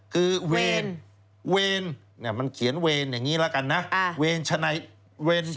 คือเวนเวนมันเขียนเวนอย่างนี้ละกันนะวีนชันไนเดอร์